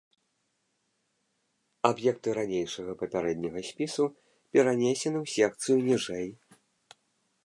Аб'екты ранейшага папярэдняга спісу перанесены ў секцыю ніжэй.